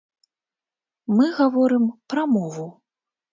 Мы гаворым пра мову.